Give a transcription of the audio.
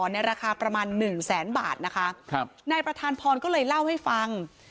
ในราคาประมาณหนึ่งแสนบาทนะคะครับนายประธานพรก็เลยเล่าให้ฟัง